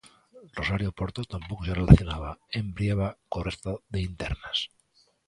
Rosario Porto tampouco se relacionaba en Brieva co resto de internas.